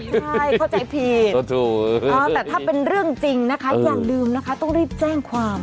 ใช่เข้าใจผิดแต่ถ้าเป็นเรื่องจริงนะคะอย่าลืมนะคะต้องรีบแจ้งความ